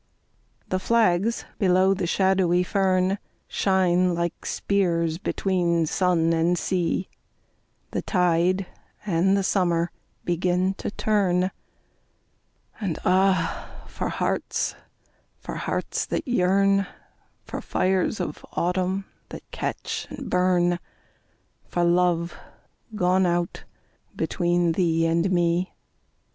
THE flags below the shadowy fern Shine like spears between sun and sea, The tide and the summer begin to turn, And ah, for hearts, for hearts that yearn, For fires of autumn that catch and burn, For love gone out between thee and me.